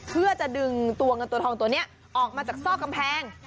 เพื่อจะดึงตัวเงินตัวทองตัวนี้ออกมาจากซอกกำแพง